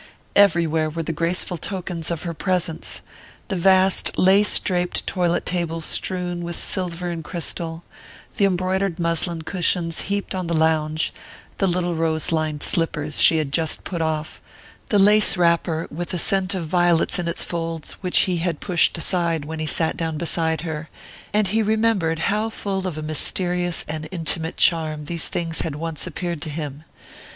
Everywhere were the graceful tokens of her presence the vast lace draped toilet table strewn with silver and crystal, the embroidered muslin cushions heaped on the lounge, the little rose lined slippers she had just put off, the lace wrapper, with a scent of violets in its folds, which he had pushed aside when he sat down beside her; and he remembered how full of a mysterious and intimate charm these things had once appeared to him.